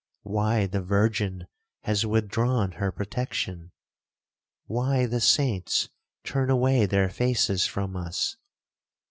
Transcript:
—why the virgin has withdrawn her protection?—why the saints turn away their faces from us?